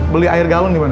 beli air galon dimana